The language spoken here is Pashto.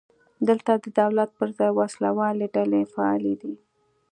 دلته د دولت پر ځای وسله والې ډلې فعالې دي.